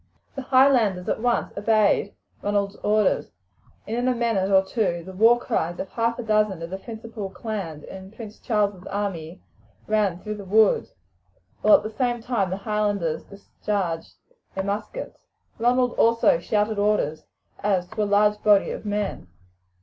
The Highlanders at once obeyed Ronald's orders, and in a minute or two the war cries of half a dozen of the principal clans in Prince Charles's army rang through the woods, while at the same time the Highlanders discharged their muskets. Ronald also shouted orders, as to a large body of men.